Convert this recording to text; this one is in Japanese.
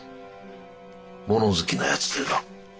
物好きな奴でな。